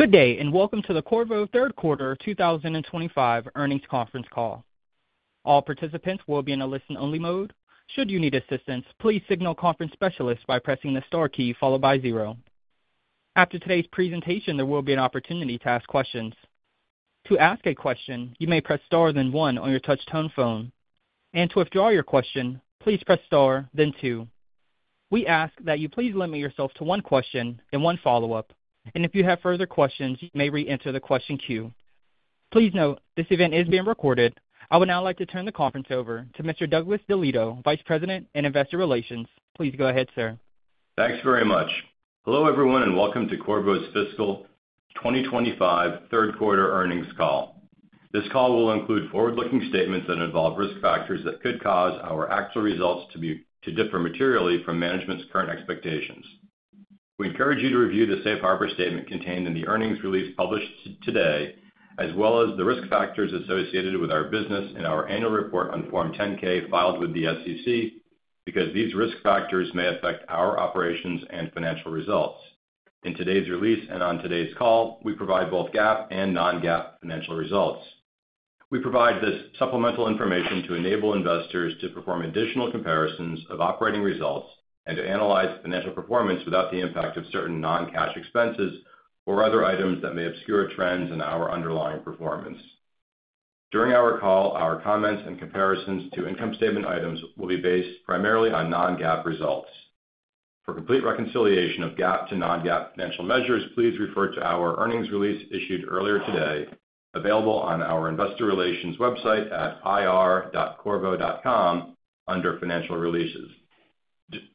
Good day, and welcome to the Qorvo Third Quarter 2025 Earnings Conference Call. All participants will be in a listen-only mode. Should you need assistance, please signal conference specialists by pressing the star key followed by zero. After today's presentation, there will be an opportunity to ask questions. To ask a question, you may press star then one on your touch-tone phone. And to withdraw your question, please press star then two. We ask that you please limit yourself to one question and one follow-up, and if you have further questions, you may re-enter the question queue. Please note, this event is being recorded. I would now like to turn the conference over to Mr. Douglas DeLieto, Vice President and Investor Relations. Please go ahead, sir. Thanks very much. Hello everyone, and welcome to Qorvo's fiscal 2025 third quarter earnings call. This call will include forward-looking statements that involve risk factors that could cause our actual results to differ materially from management's current expectations. We encourage you to review the safe harbor statement contained in the earnings release published today, as well as the risk factors associated with our business in our annual report on Form 10-K filed with the SEC, because these risk factors may affect our operations and financial results. In today's release and on today's call, we provide both GAAP and non-GAAP financial results. We provide this supplemental information to enable investors to perform additional comparisons of operating results and to analyze financial performance without the impact of certain non-cash expenses or other items that may obscure trends in our underlying performance. During our call, our comments and comparisons to income statement items will be based primarily on non-GAAP results. For complete reconciliation of GAAP to non-GAAP financial measures, please refer to our earnings release issued earlier today, available on our investor relations website at ir.qorvo.com under financial releases.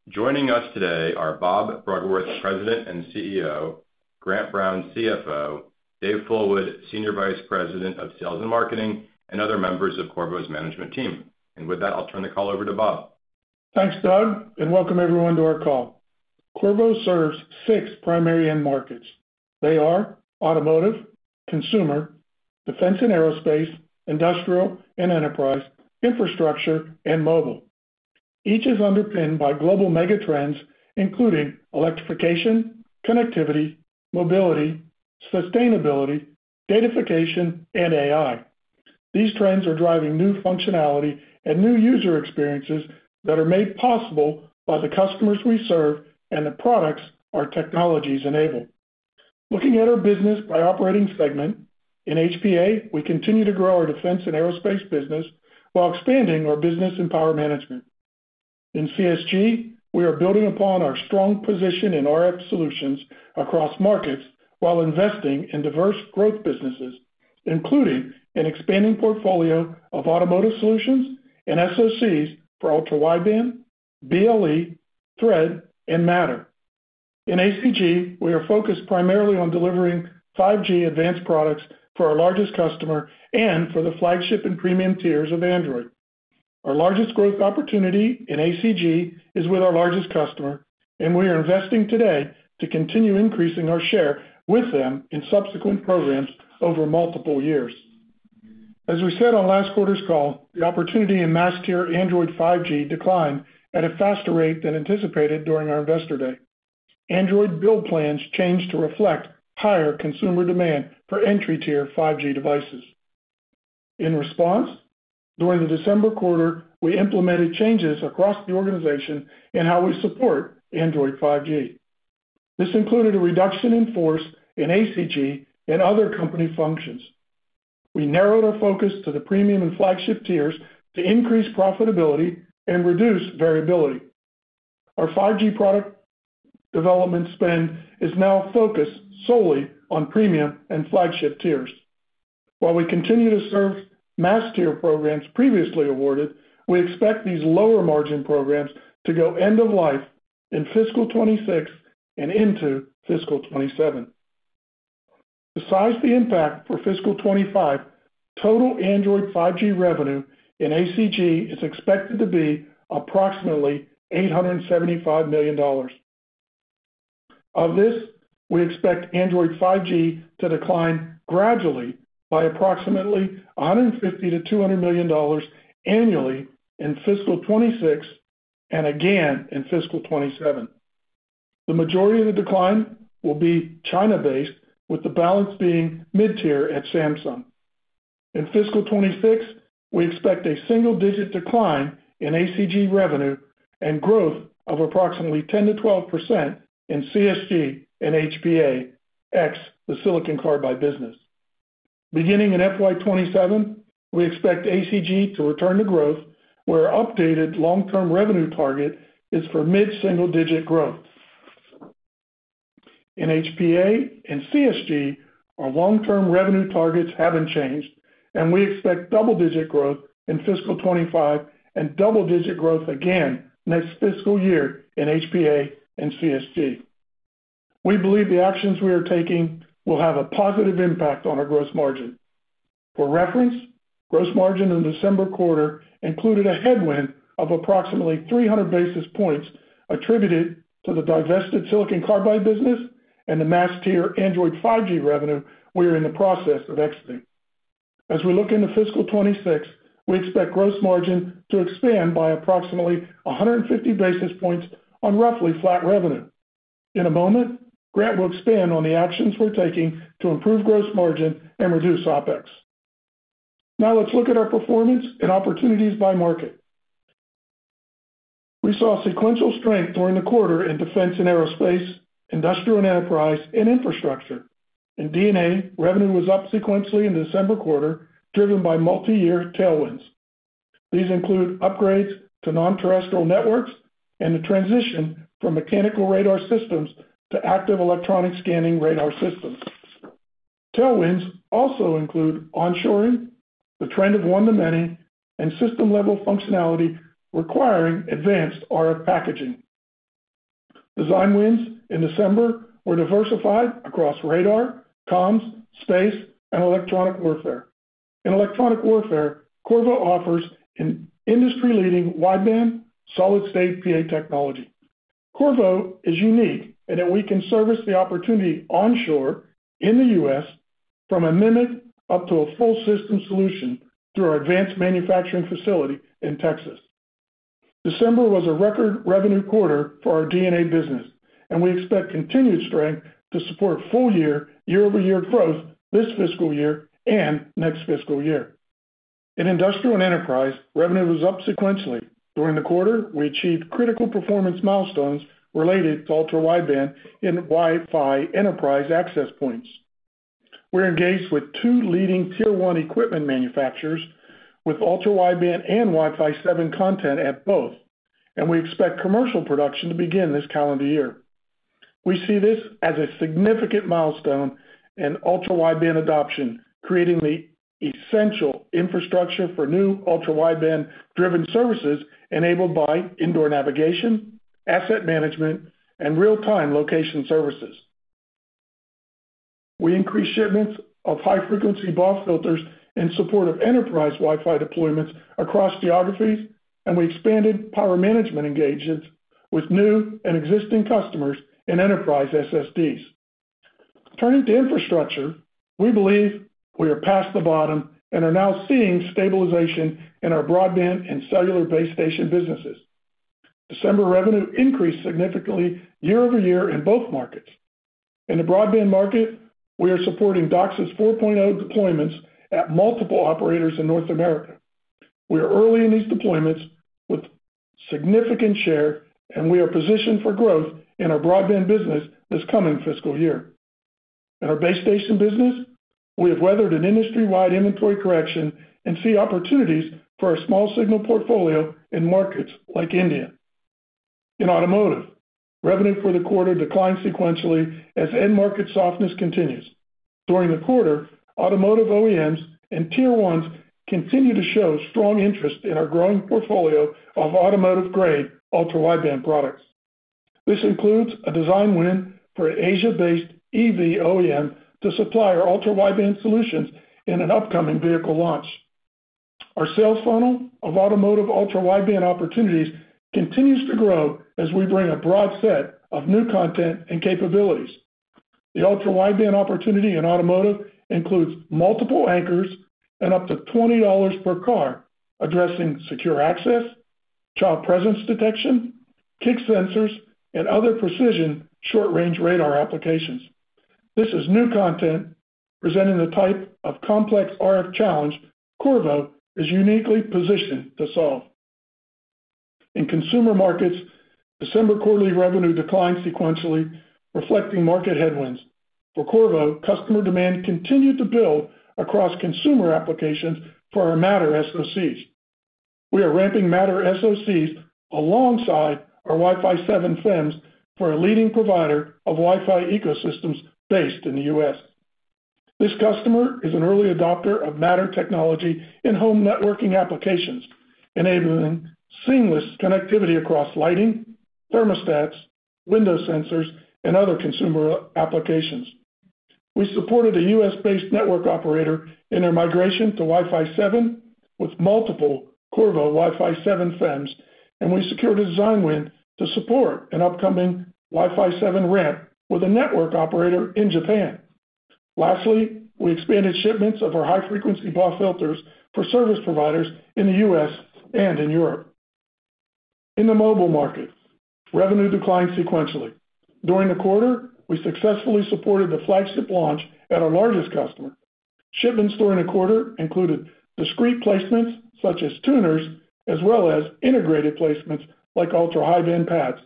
Joining us today are Bob Bruggeworth, President and CEO, Grant Brown, CFO, Dave Fullwood, Senior Vice President of Sales and Marketing, and other members of Qorvo's management team. And with that, I'll turn the call over to Bob. Thanks, Doug, and welcome everyone to our call. Qorvo serves six primary end markets. They are automotive, consumer, defense and aerospace, industrial and enterprise, infrastructure, and mobile. Each is underpinned by global megatrends, including electrification, connectivity, mobility, sustainability, datafication, and AI. These trends are driving new functionality and new user experiences that are made possible by the customers we serve and the products our technologies enable. Looking at our business by operating segment, in HPA, we continue to grow our defense and aerospace business while expanding our business and power management. In CSG, we are building upon our strong position in RF solutions across markets while investing in diverse growth businesses, including an expanding portfolio of automotive solutions and SoCs for ultra-wideband, BLE, Thread, and Matter. In ACG, we are focused primarily on delivering 5G Advanced products for our largest customer and for the flagship and premium tiers of Android. Our largest growth opportunity in ACG is with our largest customer, and we are investing today to continue increasing our share with them in subsequent programs over multiple years. As we said on last quarter's call, the opportunity in mass-tier Android 5G declined at a faster rate than anticipated during our investor day. Android build plans changed to reflect higher consumer demand for entry-tier 5G devices. In response, during the December quarter, we implemented changes across the organization in how we support Android 5G. This included a reduction in force in ACG and other company functions. We narrowed our focus to the premium and flagship tiers to increase profitability and reduce variability. Our 5G product development spend is now focused solely on premium and flagship tiers. While we continue to serve mass-tier programs previously awarded, we expect these lower-margin programs to go end of life in fiscal 2026 and into fiscal 2027. Besides the impact for fiscal 2025, total Android 5G revenue in ACG is expected to be approximately $875 million. Of this, we expect Android 5G to decline gradually by approximately $150 to 200 million annually in fiscal 2026 and again in fiscal 2027. The majority of the decline will be China-based, with the balance being mid-tier at Samsung. In fiscal 2026, we expect a single-digit decline in ACG revenue and growth of approximately 10% to 12% in CSG and HPA, ex the Silicon Carbide business. Beginning in FY 2027, we expect ACG to return to growth, where our updated long-term revenue target is for mid-single-digit growth. In HPA and CSG, our long-term revenue targets haven't changed, and we expect double-digit growth in fiscal 2025 and double-digit growth again next fiscal year in HPA and CSG. We believe the actions we are taking will have a positive impact on our gross margin. For reference, gross margin in December quarter included a headwind of approximately 300 basis points attributed to the divested Silicon Carbide business and the mass-tier Android 5G revenue we are in the process of exiting. As we look into fiscal 2026, we expect gross margin to expand by approximately 150 basis points on roughly flat revenue. In a moment, Grant will expand on the actions we're taking to improve gross margin and reduce OPEX. Now let's look at our performance and opportunities by market. We saw sequential strength during the quarter in defense and aerospace, industrial and enterprise, and infrastructure. In D&A, revenue was up sequentially in December quarter, driven by multi-year tailwinds. These include upgrades to non-terrestrial networks and the transition from mechanical radar systems to active electronic scanning radar systems. Tailwinds also include onshoring, the trend of one to many, and system-level functionality requiring advanced RF packaging. Design wins in December were diversified across radar, comms, space, and electronic warfare. In electronic warfare, Qorvo offers industry-leading wideband solid-state PA technology. Qorvo is unique in that we can service the opportunity onshore in the U.S. from a MMIC up to a full-system solution through our advanced manufacturing facility in Texas. December was a record revenue quarter for our D&A business, and we expect continued strength to support full-year, year-over-year growth this fiscal year and next fiscal year. In industrial and enterprise, revenue was up sequentially. During the quarter, we achieved critical performance milestones related to ultra-wideband and Wi-Fi enterprise access points. We're engaged with two leading tier-one equipment manufacturers with ultra-wideband and Wi-Fi 7 content at both, and we expect commercial production to begin this calendar year. We see this as a significant milestone in ultra-wideband adoption, creating the essential infrastructure for new ultra-wideband-driven services enabled by indoor navigation, asset management, and real-time location services. We increased shipments of high-frequency BAW filters in support of enterprise Wi-Fi deployments across geographies, and we expanded power management engagements with new and existing customers in enterprise SSDs. Turning to infrastructure, we believe we are past the bottom and are now seeing stabilization in our broadband and cellular base station businesses. December revenue increased significantly year-over-year in both markets. In the broadband market, we are supporting DOCSIS 4.0 deployments at multiple operators in North America. We are early in these deployments with a significant share, and we are positioned for growth in our broadband business this coming fiscal year. In our base station business, we have weathered an industry-wide inventory correction and see opportunities for a small signal portfolio in markets like India. In automotive, revenue for the quarter declined sequentially as end market softness continues. During the quarter, automotive OEMs and tier one continue to show strong interest in our growing portfolio of automotive-grade ultra-wideband products. This includes a design win for an Asia-based EV OEM to supply our ultra-wideband solutions in an upcoming vehicle launch. Our sales funnel of automotive ultra-wideband opportunities continues to grow as we bring a broad set of new content and capabilities. The ultra-wideband opportunity in automotive includes multiple anchors and up to $20 per car, addressing secure access, child presence detection, kick sensors, and other precision short-range radar applications. This is new content presenting the type of complex RF challenge Qorvo is uniquely positioned to solve. In consumer markets, December quarterly revenue declined sequentially, reflecting market headwinds. For Qorvo, customer demand continued to build across consumer applications for our Matter SoCs. We are ramping Matter SoCs alongside our Wi-Fi 7 FEMs for a leading provider of Wi-Fi ecosystems based in the U.S. This customer is an early adopter of Matter technology in home networking applications, enabling seamless connectivity across lighting, thermostats, window sensors, and other consumer applications. We supported a U.S. based network operator in their migration to Wi-Fi 7 with multiple Qorvo Wi-Fi 7 FEMs, and we secured a design win to support an upcoming Wi-Fi 7 ramp with a network operator in Japan. Lastly, we expanded shipments of our high-frequency BAW filters for service providers in the U.S. and in Europe. In the mobile market, revenue declined sequentially. During the quarter, we successfully supported the flagship launch at our largest customer. Shipments during the quarter included discrete placements such as tuners, as well as integrated placements like ultra-high-band PADs.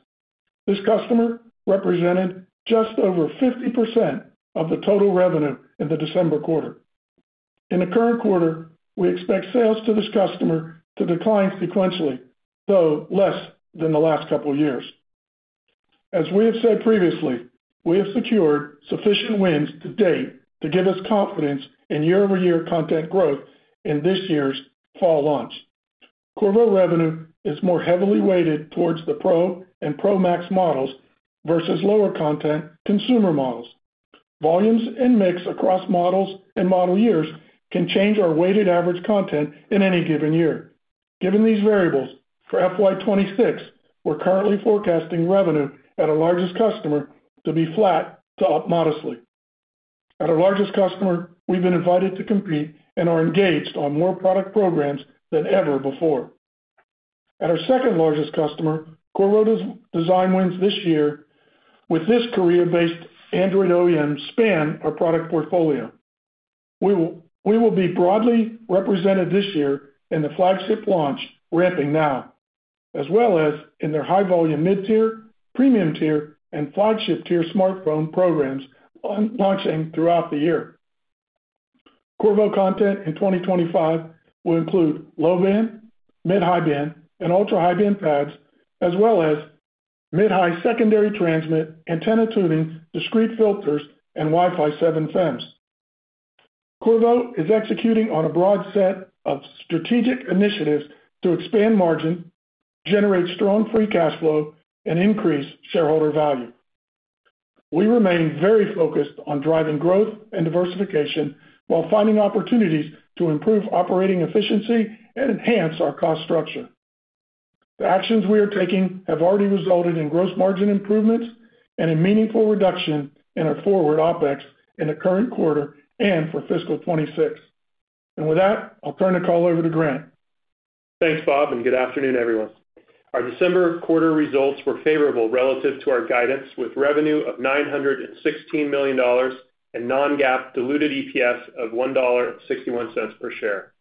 This customer represented just over 50% of the total revenue in the December quarter. In the current quarter, we expect sales to this customer to decline sequentially, though less than the last couple of years. As we have said previously, we have secured sufficient wins to date to give us confidence in year-over-year content growth in this year's fall launch. Qorvo revenue is more heavily weighted towards the Pro and Pro Max models versus lower content consumer models. Volumes and mix across models and model years can change our weighted average content in any given year. Given these variables, for FY 2026, we're currently forecasting revenue at our largest customer to be flat to up modestly. At our largest customer, we've been invited to compete and are engaged on more product programs than ever before. At our second largest customer, Qorvo has design wins this year with this Korea-based Android OEM that span our product portfolio. We will be broadly represented this year in the flagship launch ramping now, as well as in their high-volume mid-tier, premium tier, and flagship tier smartphone programs launching throughout the year. Qorvo content in 2025 will include low-band, mid-high-band, and ultra-high-band PADs, as well as mid-high secondary transmit antenna tuning, discrete filters, and Wi-Fi 7 FEMs. Qorvo is executing on a broad set of strategic initiatives to expand margin, generate strong free cash flow, and increase shareholder value. We remain very focused on driving growth and diversification while finding opportunities to improve operating efficiency and enhance our cost structure. The actions we are taking have already resulted in gross margin improvements and a meaningful reduction in our forward OPEX in the current quarter and for fiscal 2026. With that, I'll turn the call over to Grant. Thanks, Bob, and good afternoon, everyone. Our December quarter results were favorable relative to our guidance, with revenue of $916 million and non-GAAP diluted EPS of $1.61 per share.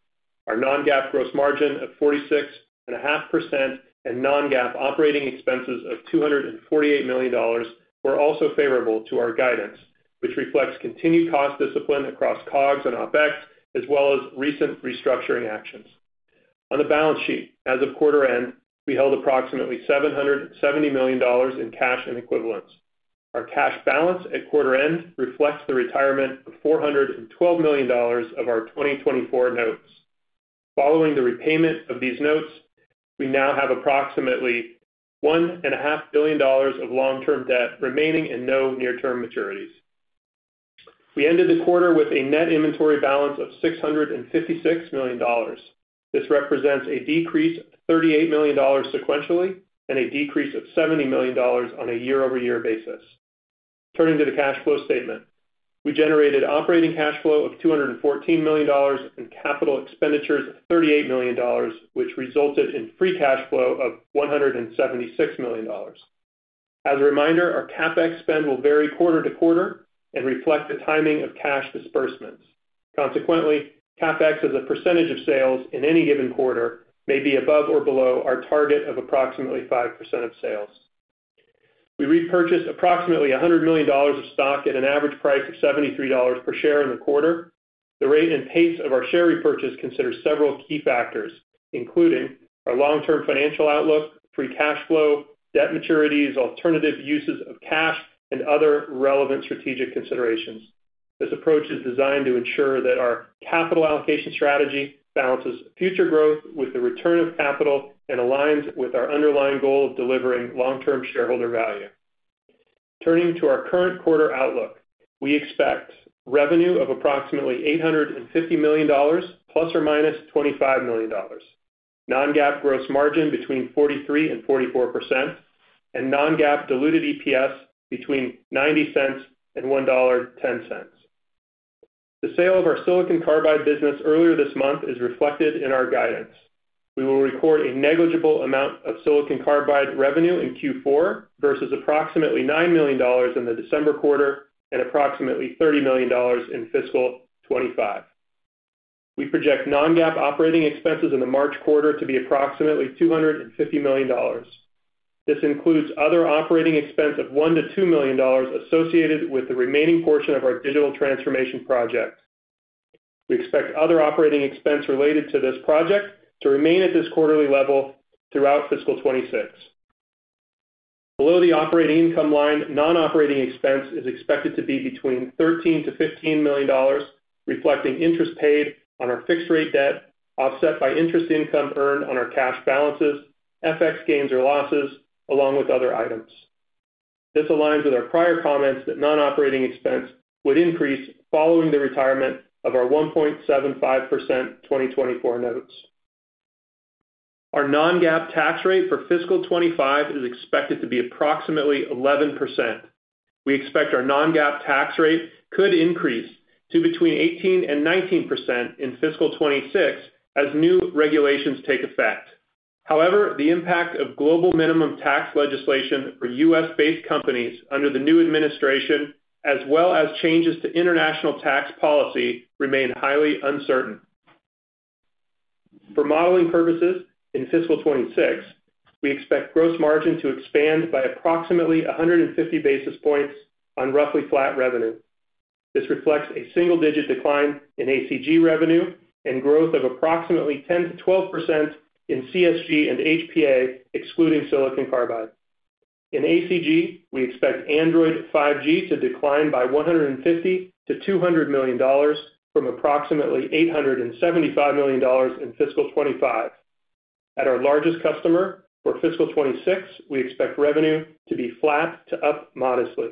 Our non-GAAP gross margin of 46.5% and non-GAAP operating expenses of $248 million were also favorable to our guidance, which reflects continued cost discipline across COGS and OPEX, as well as recent restructuring actions. On the balance sheet, as of quarter end, we held approximately $770 million in cash and equivalents. Our cash balance at quarter end reflects the retirement of $412 million of our 2024 notes. Following the repayment of these notes, we now have approximately $1.5 billion of long-term debt remaining and no near-term maturities. We ended the quarter with a net inventory balance of $656 million. This represents a decrease of $38 million sequentially and a decrease of $70 million on a year-over-year basis. Turning to the cash flow statement, we generated operating cash flow of $214 million and capital expenditures of $38 million, which resulted in free cash flow of $176 million. As a reminder, our CAPEX spend will vary quarter to quarter and reflect the timing of cash disbursements. Consequently, CAPEX as a percentage of sales in any given quarter may be above or below our target of approximately 5% of sales. We repurchased approximately $100 million of stock at an average price of $73 per share in the quarter. The rate and pace of our share repurchase considers several key factors, including our long-term financial outlook, free cash flow, debt maturities, alternative uses of cash, and other relevant strategic considerations. This approach is designed to ensure that our capital allocation strategy balances future growth with the return of capital and aligns with our underlying goal of delivering long-term shareholder value. Turning to our current quarter outlook, we expect revenue of approximately $850 million, plus or minus $25 million, non-GAAP gross margin between 43% and 44%, and non-GAAP diluted EPS between $0.90 and $1.10. The sale of our silicon carbide business earlier this month is reflected in our guidance. We will record a negligible amount of silicon carbide revenue in Q4 versus approximately $9 million in the December quarter and approximately $30 million in fiscal 2025. We project non-GAAP operating expenses in the March quarter to be approximately $250 million. This includes other operating expense of $1 to 2 million associated with the remaining portion of our digital transformation project. We expect other operating expense related to this project to remain at this quarterly level throughout fiscal 2026. Below the operating income line, non-operating expense is expected to be between $13 to 15 million, reflecting interest paid on our fixed-rate debt offset by interest income earned on our cash balances, FX gains or losses, along with other items. This aligns with our prior comments that non-operating expense would increase following the retirement of our 1.75% 2024 notes. Our non-GAAP tax rate for fiscal 2025 is expected to be approximately 11%. We expect our non-GAAP tax rate could increase to between 18% to 19% in fiscal 2026 as new regulations take effect. However, the impact of global minimum tax legislation for U.S.-based companies under the new administration, as well as changes to international tax policy, remain highly uncertain. For modeling purposes in fiscal 2026, we expect gross margin to expand by approximately 150 basis points on roughly flat revenue. This reflects a single-digit decline in ACG revenue and growth of approximately 10% to 12% in CSG and HPA, excluding silicon carbide. In ACG, we expect Android 5G to decline by $150 to 200 million from approximately $875 million in fiscal 2025. At our largest customer for fiscal 2026, we expect revenue to be flat to up modestly.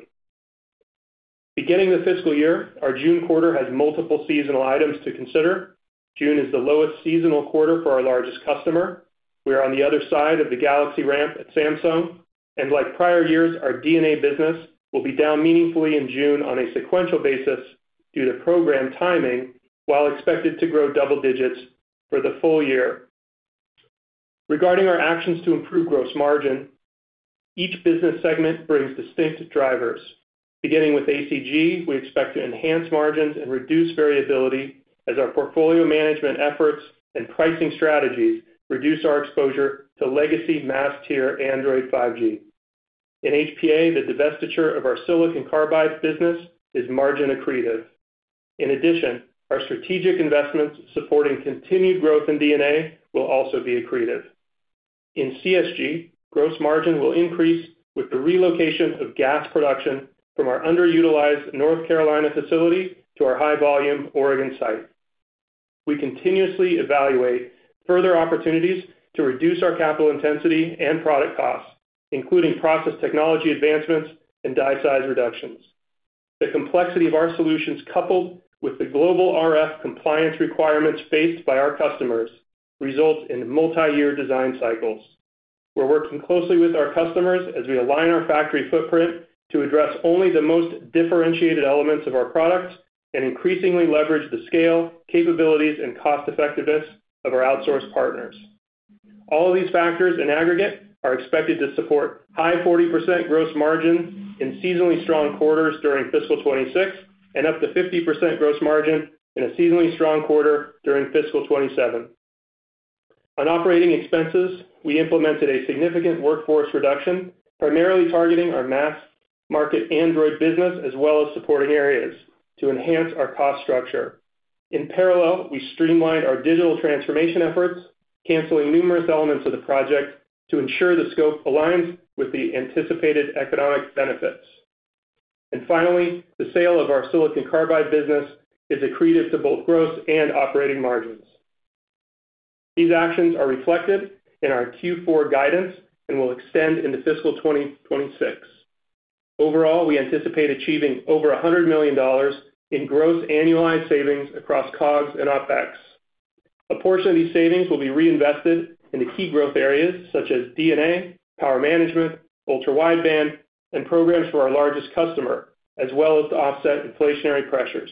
Beginning the fiscal year, our June quarter has multiple seasonal items to consider. June is the lowest seasonal quarter for our largest customer. We are on the other side of the Galaxy ramp at Samsung, and like prior years, our D&A business will be down meaningfully in June on a sequential basis due to program timing, while expected to grow double digits for the full year. Regarding our actions to improve gross margin, each business segment brings distinct drivers. Beginning with ACG, we expect to enhance margins and reduce variability as our portfolio management efforts and pricing strategies reduce our exposure to legacy mass-tier Android 5G. In HPA, the divestiture of our silicon carbide business is margin accretive. In addition, our strategic investments supporting continued growth in D&A will also be accretive. In CSG, gross margin will increase with the relocation of GaAs production from our underutilized North Carolina facility to our high-volume Oregon site. We continuously evaluate further opportunities to reduce our capital intensity and product costs, including process technology advancements and die size reductions. The complexity of our solutions, coupled with the global RF compliance requirements faced by our customers, results in multi-year design cycles. We're working closely with our customers as we align our factory footprint to address only the most differentiated elements of our products and increasingly leverage the scale, capabilities, and cost-effectiveness of our outsourced partners. All of these factors in aggregate are expected to support high 40% gross margin in seasonally strong quarters during fiscal 2026 and up to 50% gross margin in a seasonally strong quarter during fiscal 2027. On operating expenses, we implemented a significant workforce reduction, primarily targeting our mass-market Android business as well as supporting areas to enhance our cost structure. In parallel, we streamlined our digital transformation efforts, canceling numerous elements of the project to ensure the scope aligns with the anticipated economic benefits, and finally, the sale of our silicon carbide business is accretive to both gross and operating margins. These actions are reflected in our Q4 guidance and will extend into fiscal 2026. Overall, we anticipate achieving over $100 million in gross annualized savings across COGS and OPEX. A portion of these savings will be reinvested into key growth areas such as D&A, power management, ultra-wideband, and programs for our largest customer, as well as to offset inflationary pressures.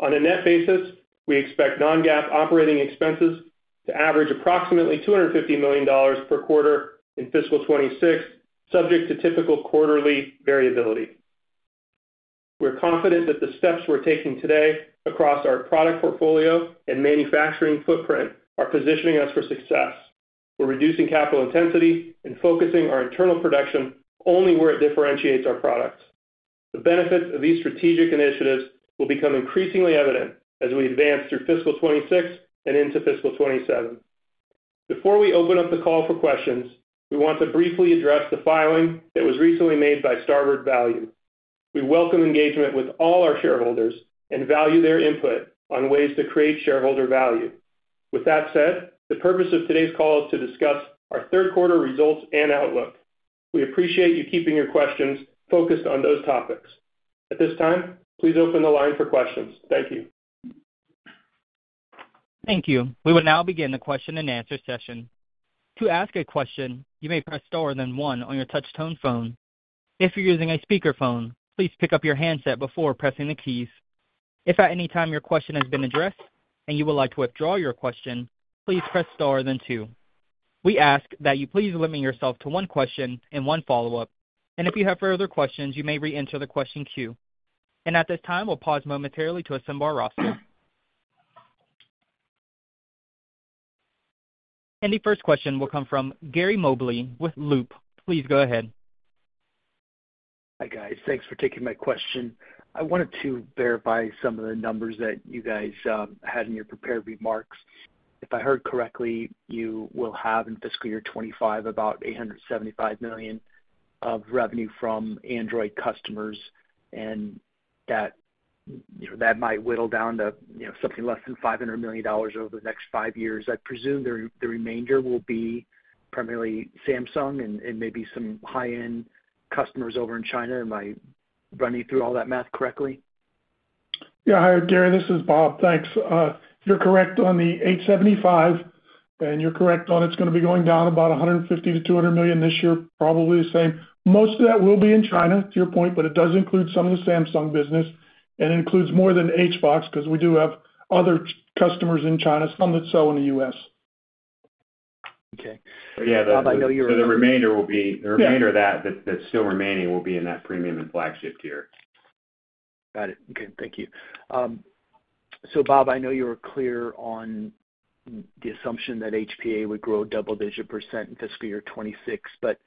On a net basis, we expect non-GAAP operating expenses to average approximately $250 million per quarter in fiscal 2026, subject to typical quarterly variability. We're confident that the steps we're taking today across our product portfolio and manufacturing footprint are positioning us for success. We're reducing capital intensity and focusing our internal production only where it differentiates our products. The benefits of these strategic initiatives will become increasingly evident as we advance through fiscal 2026 and into fiscal 2027. Before we open up the call for questions, we want to briefly address the filing that was recently made by Starboard Value. We welcome engagement with all our shareholders and value their input on ways to create shareholder value. With that said, the purpose of today's call is to discuss our third quarter results and outlook. We appreciate you keeping your questions focused on those topics. At this time, please open the line for questions. Thank you. Thank you. We will now begin the question and answer session. To ask a question, you may press star then one on your touch-tone phone. If you're using a speakerphone, please pick up your handset before pressing the keys. If at any time your question has been addressed and you would like to withdraw your question, please press star then two. We ask that you please limit yourself to one question and one follow-up. If you have further questions, you may re-enter the question queue. At this time, we'll pause momentarily to assemble our roster. The first question will come from Gary Mobley with Loop. Please go ahead. Hi, guys. Thanks for taking my question. I wanted to verify some of the numbers that you guys had in your prepared remarks. If I heard correctly, you will have in fiscal year 2025 about $875 million of revenue from Android customers, and that might whittle down to something less than $500 million over the next five years. I presume the remainder will be primarily Samsung and maybe some high-end customers over in China. Am I running through all that math correctly? Yeah. Hi, Gary. This is Bob. Thanks. You're correct on the $875 million, and you're correct on it's going to be going down about $150 to 200 million this year, probably the same. Most of that will be in China, to your point, but it does include some of the Samsung business. And it includes more than HOVX because we do have other customers in China, some that sell in the U.S. Okay. Bob, I know you were. So the remainder will be. The remainder of that that's still remaining will be in that premium and flagship tier. Got it. Okay. Thank you. So Bob, I know you were clear on the assumption that HPA would grow a double-digit percent in fiscal year 2026, but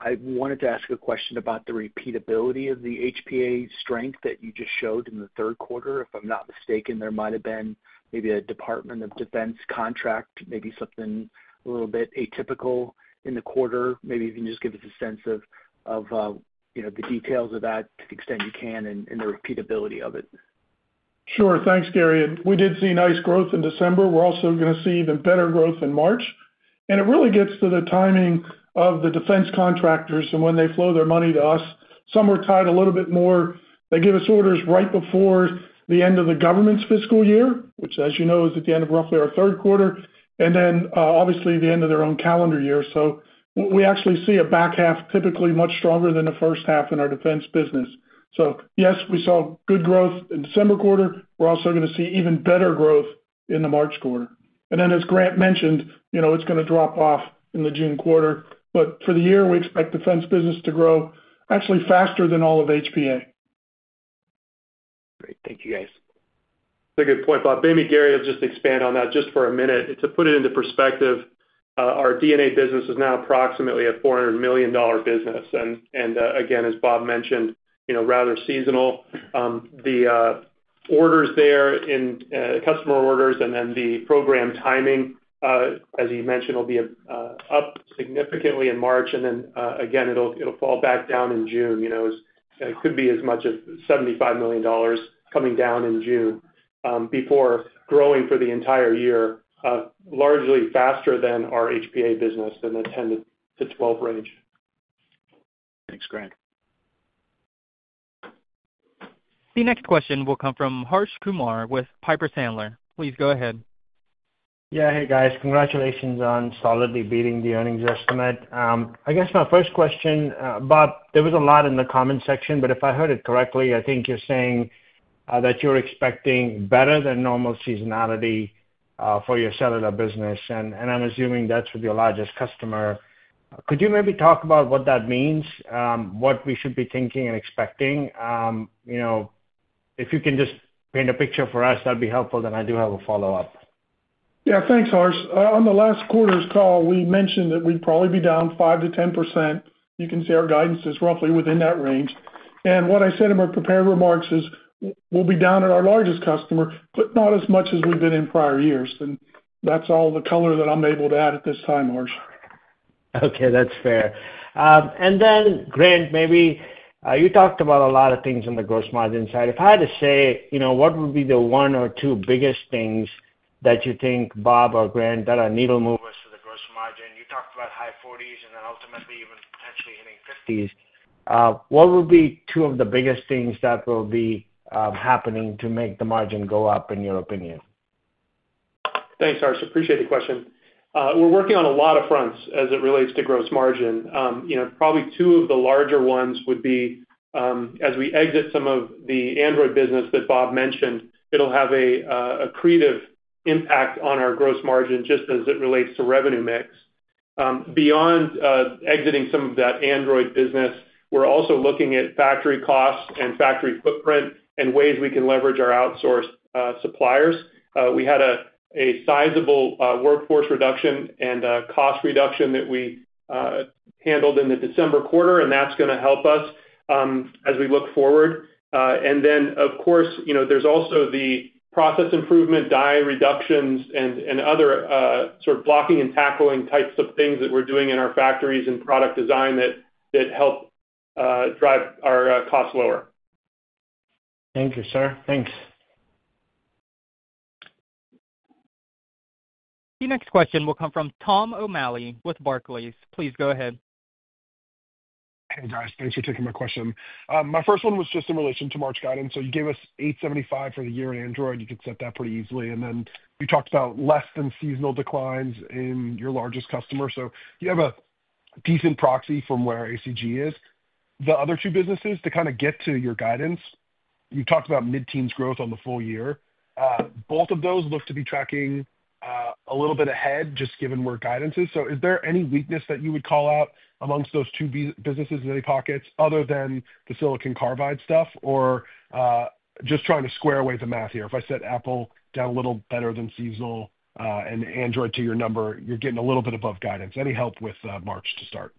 I wanted to ask a question about the repeatability of the HPA strength that you just showed in the third quarter. If I'm not mistaken, there might have been maybe a Department of Defense contract, maybe something a little bit atypical in the quarter. Maybe you can just give us a sense of the details of that to the extent you can and the repeatability of it. Sure. Thanks, Gary. And we did see nice growth in December. We're also going to see even better growth in March. And it really gets to the timing of the defense contractors and when they flow their money to us. Some are tied a little bit more. They give us orders right before the end of the government's fiscal year, which, as you know, is at the end of roughly our third quarter, and then obviously the end of their own calendar year. So we actually see a back half typically much stronger than the first half in our defense business. Yes, we saw good growth in the December quarter. We're also going to see even better growth in the March quarter. And then, as Grant mentioned, it's going to drop off in the June quarter. But for the year, we expect defense business to grow actually faster than all of HPA. Great. Thank you, guys. That's a good point, Bob. Maybe Gary will just expand on that just for a minute. To put it into perspective, our D&A business is now approximately a $400 million business. And again, as Bob mentioned, rather seasonal. The orders there in customer orders and then the program timing, as he mentioned, will be up significantly in March. And then again, it'll fall back down in June. It could be as much as $75 million coming down in June before growing for the entire year, largely faster than our HPA business in the 10 to 12 range. Thanks, Grant. The next question will come from Harsh Kumar with Piper Sandler. Please go ahead. Yeah. Hey, guys. Congratulations on solidly beating the earnings estimate. I guess my first question, Bob, there was a lot in the comment section, but if I heard it correctly, I think you're saying that you're expecting better than normal seasonality for your cellular business. And I'm assuming that's with your largest customer. Could you maybe talk about what that means, what we should be thinking and expecting? If you can just paint a picture for us, that'd be helpful. Then I do have a follow-up. Yeah. Thanks, Harsh. On the last quarter's call, we mentioned that we'd probably be down 5% to 10%. You can see our guidance is roughly within that range. And what I said in my prepared remarks is we'll be down at our largest customer, but not as much as we've been in prior years. And that's all the color that I'm able to add at this time, Harsh. Okay. That's fair. And then, Grant, maybe you talked about a lot of things on the gross margin side. If I had to say what would be the one or two biggest things that you think, Bob or Grant, that are needle movers to the gross margin, you talked about high 40s and then ultimately even potentially hitting 50s, what would be two of the biggest things that will be happening to make the margin go up, in your opinion? Thanks, Harsh. Appreciate the question. We're working on a lot of fronts as it relates to gross margin. Probably two of the larger ones would be, as we exit some of the Android business that Bob mentioned, it'll have an accretive impact on our gross margin just as it relates to revenue mix. Beyond exiting some of that Android business, we're also looking at factory costs and factory footprint and ways we can leverage our outsourced suppliers. We had a sizable workforce reduction and cost reduction that we handled in the December quarter, and that's going to help us as we look forward. And then, of course, there's also the process improvement, die reductions, and other sort of blocking and tackling types of things that we're doing in our factories and product design that help drive our costs lower. Thank you, sir. Thanks. The next question will come from Tom O'Malley with Barclays. Please go ahead. Hey, guys. Thanks for taking my question. My first one was just in relation to March guidance. So you gave us $875 million for the year in Android. You could set that pretty easily. And then you talked about less-than-seasonal declines in your largest customer. So you have a decent proxy from where ACG is. The other two businesses, to kind of get to your guidance, you talked about mid-teens growth on the full year. Both of those look to be tracking a little bit ahead, just given where guidance is. So is there any weakness that you would call out amongst those two businesses in any pockets other than the silicon carbide stuff? Or just trying to square away the math here. If I set Apple down a little better than seasonal and Android to your number, you're getting a little bit above guidance. Any help with March to start?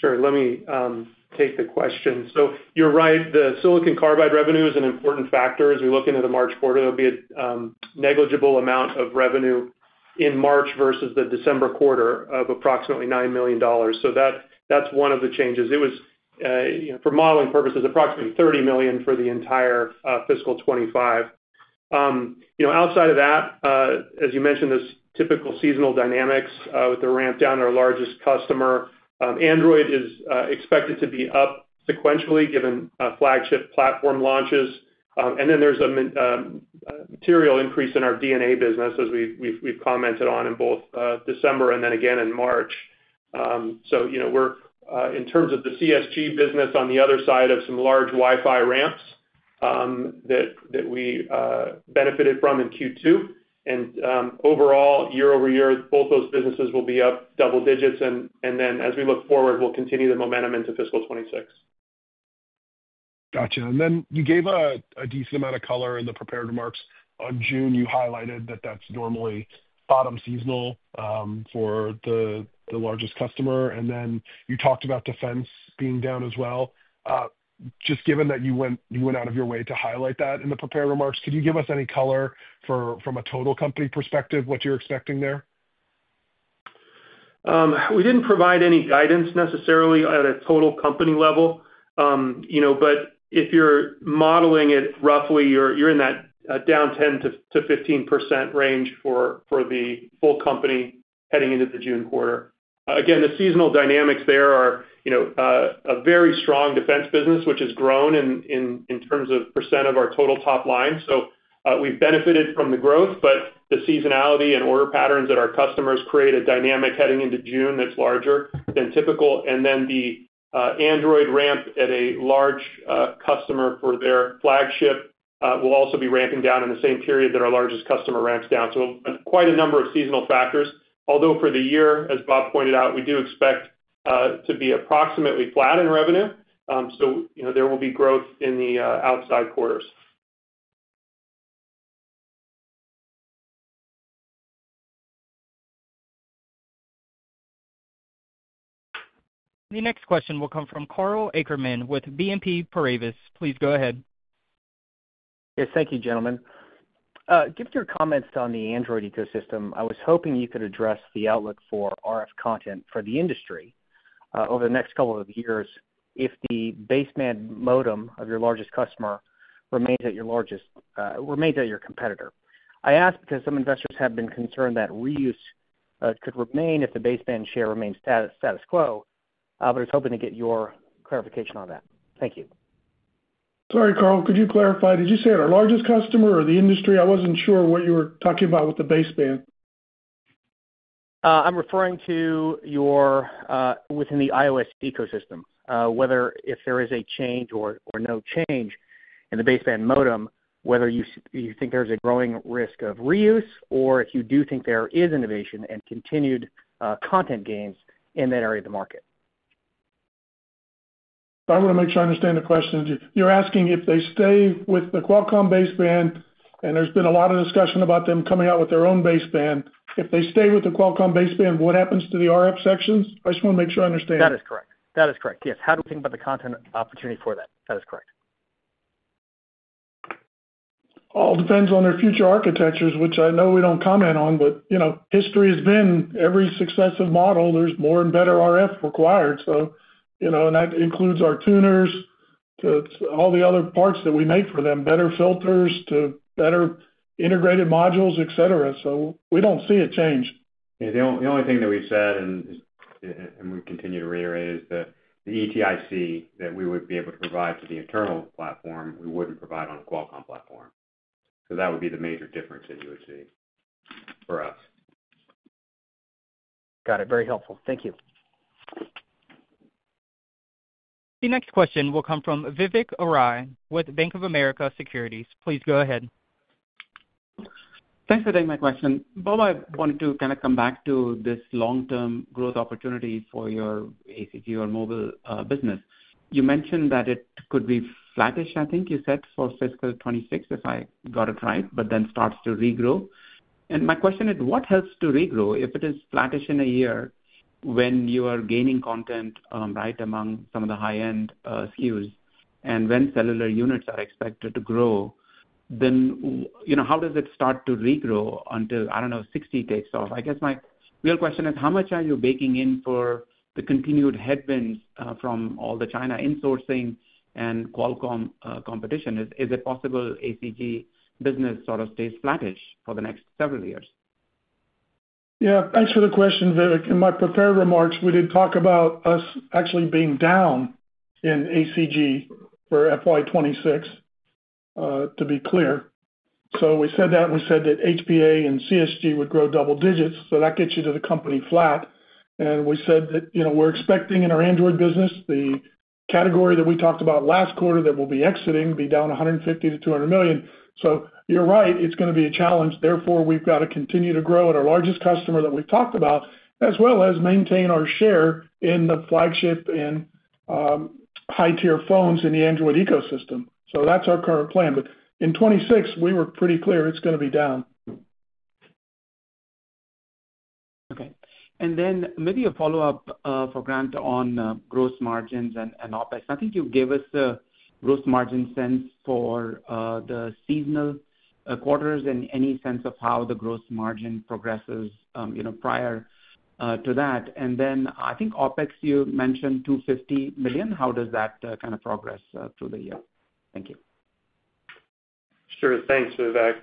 Sure. Let me take the question. So you're right. The silicon carbide revenue is an important factor. As we look into the March quarter, there'll be a negligible amount of revenue in March versus the December quarter of approximately $9 million. So that's one of the changes. It was, for modeling purposes, approximately $30 million for the entire fiscal 2025. Outside of that, as you mentioned, there's typical seasonal dynamics with the ramp down to our largest customer. Android is expected to be up sequentially given flagship platform launches. And then there's a material increase in our D&A business, as we've commented on in both December and then again in March. So we're, in terms of the CSG business, on the other side of some large Wi-Fi ramps that we benefited from in Q2. Overall, year-over-year, both those businesses will be up double digits. And then, as we look forward, we'll continue the momentum into fiscal 2026. Gotcha. And then you gave a decent amount of color in the prepared remarks. On June, you highlighted that that's normally bottom seasonal for the largest customer. And then you talked about defense being down as well. Just given that you went out of your way to highlight that in the prepared remarks, could you give us any color from a total company perspective what you're expecting there? We didn't provide any guidance necessarily at a total company level. But if you're modeling it roughly, you're in that down 10% to 15% range for the full company heading into the June quarter. Again, the seasonal dynamics there are a very strong defense business, which has grown in terms of percent of our total top line. So we've benefited from the growth, but the seasonality and order patterns that our customers create a dynamic heading into June that's larger than typical. And then the Android ramp at a large customer for their flagship will also be ramping down in the same period that our largest customer ramps down. So quite a number of seasonal factors. Although for the year, as Bob pointed out, we do expect to be approximately flat in revenue. So there will be growth in the outside quarters. The next question will come from Karl Ackerman with BNP Paribas. Please go ahead. Yes. Thank you, gentlemen. Given your comments on the Android ecosystem, I was hoping you could address the outlook for RF content for the industry over the next couple of years if the baseband modem of your largest customer remains at your competitor. I ask because some investors have been concerned that reuse could remain if the baseband share remains status quo. But I was hoping to get your clarification on that. Thank you. Sorry, Karl. Could you clarify? Did you say our largest customer or the industry? I wasn't sure what you were talking about with the baseband. I'm referring to your within the iOS ecosystem. Whether if there is a change or no change in the baseband modem, whether you think there's a growing risk of reuse or if you do think there is innovation and continued content gains in that area of the market. I want to make sure I understand the question. You're asking if they stay with the Qualcomm baseband, and there's been a lot of discussion about them coming out with their own baseband. If they stay with the Qualcomm baseband, what happens to the RF sections? I just want to make sure I understand. That is correct. That is correct. Yes. How do we think about the content opportunity for that? That is correct. All depends on their future architectures, which I know we don't comment on. But history has been every successive model, there's more and better RF required. And that includes our tuners to all the other parts that we make for them, better filters to better integrated modules, etc. So we don't see a change. The only thing that we've said, and we continue to reiterate, is the ETIC that we would be able to provide to the internal platform, we wouldn't provide on the Qualcomm platform. So that would be the major difference that you would see for us. Got it. Very helpful. Thank you. The next question will come from Vivek Arya with Bank of America Securities. Please go ahead. Thanks for taking my question. Bob, I wanted to kind of come back to this long-term growth opportunity for your ACG or mobile business. You mentioned that it could be flattish, I think you said, for fiscal 2026, but then starts to regrow. And my question is, what helps to regrow if it is flattish in a year when you are gaining content right among some of the high-end SKUs? When cellular units are expected to grow, then how does it start to regrow until, I don't know, 2060 takes off? I guess my real question is, how much are you baking in for the continued headwinds from all the China insourcing and Qualcomm competition? Is it possible ACG business sort of stays flattish for the next several years? Yeah. Thanks for the question, Vivek. In my prepared remarks, we did talk about us actually being down in ACG for FY 2026, to be clear. So we said that. We said that HPA and CSG would grow double digits. So that gets you to the company flat. And we said that we're expecting in our Android business, the category that we talked about last quarter that we'll be exiting to be down $150 to 200 million. So you're right. It's going to be a challenge. Therefore, we've got to continue to grow at our largest customer that we've talked about, as well as maintain our share in the flagship and high-tier phones in the Android ecosystem, so that's our current plan, but in 2026, we were pretty clear it's going to be down. Okay, and then maybe a follow-up for Grant on gross margins and OPEX. I think you gave us a gross margin sense for the seasonal quarters and any sense of how the gross margin progresses prior to that, and then I think OPEX, you mentioned $250 million. How does that kind of progress through the year? Thank you. Sure. Thanks, Vivek.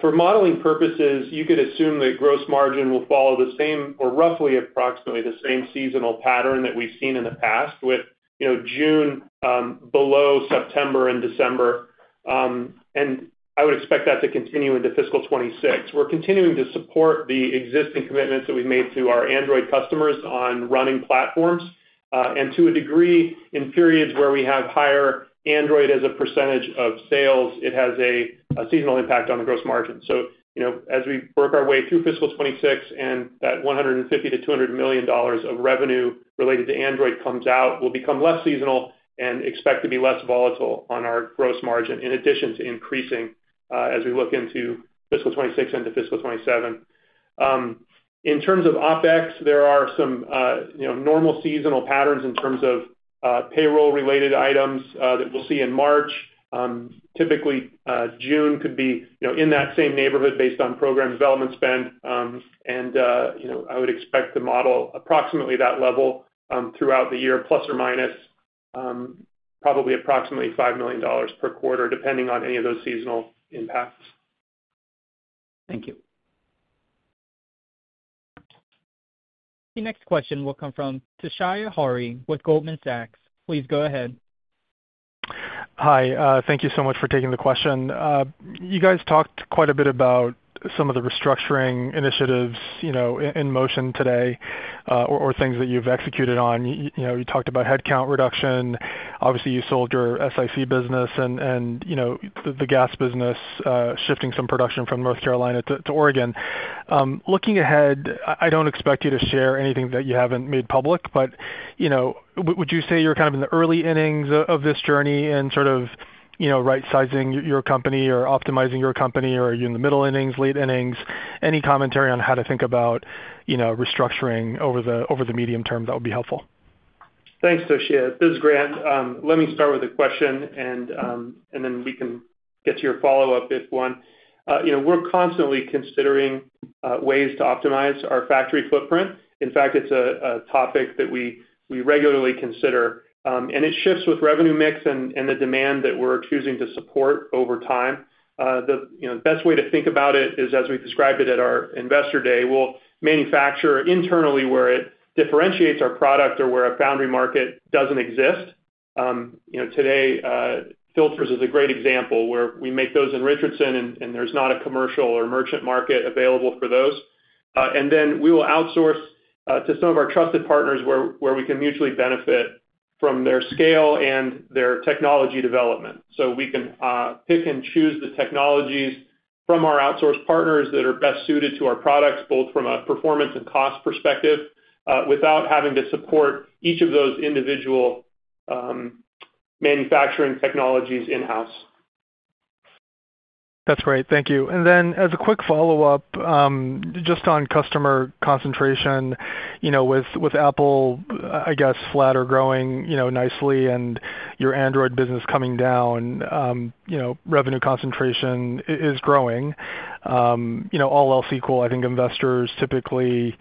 For modeling purposes, you could assume that gross margin will follow the same or roughly approximately the same seasonal pattern that we've seen in the past with June below September and December. I would expect that to continue into fiscal 2026. We're continuing to support the existing commitments that we've made to our Android customers on running platforms. To a degree, in periods where we have higher Android as a percentage of sales, it has a seasonal impact on the gross margin. As we work our way through fiscal 2026 and that $150 to 200 million of revenue related to Android comes out, we'll become less seasonal and expect to be less volatile on our gross margin, in addition to increasing as we look into fiscal 2026 into fiscal 2027. In terms of OPEX, there are some normal seasonal patterns in terms of payroll-related items that we'll see in March. Typically, June could be in that same neighborhood based on program development spend. And I would expect to model approximately that level throughout the year, plus or minus, probably approximately $5 million per quarter, depending on any of those seasonal impacts. Thank you. The next question will come from Toshiya Hari with Goldman Sachs. Please go ahead. Hi. Thank you so much for taking the question. You guys talked quite a bit about some of the restructuring initiatives in motion today or things that you've executed on. You talked about headcount reduction. Obviously, you sold your SiC business and the GaAs business, shifting some production from North Carolina to Oregon. Looking ahead, I don't expect you to share anything that you haven't made public. But would you say you're kind of in the early innings of this journey in sort of right-sizing your company or optimizing your company? Or are you in the middle innings, late innings? Any commentary on how to think about restructuring over the medium term that would be helpful? Thanks, Toshiya. This is Grant. Let me start with a question, and then we can get to your follow-up if one. We're constantly considering ways to optimize our factory footprint. In fact, it's a topic that we regularly consider. And it shifts with revenue mix and the demand that we're choosing to support over time. The best way to think about it is, as we described it at our investor day, we'll manufacture internally where it differentiates our product or where a foundry market doesn't exist. Today, filters is a great example where we make those in Richardson, and there's not a commercial or merchant market available for those. And then we will outsource to some of our trusted partners where we can mutually benefit from their scale and their technology development. So we can pick and choose the technologies from our outsourced partners that are best suited to our products, both from a performance and cost perspective, without having to support each of those individual manufacturing technologies in-house. That's great. Thank you. And then as a quick follow-up, just on customer concentration, with Apple, I guess, flat or growing nicely and your Android business coming down, revenue concentration is growing. All else equal, I think investors typically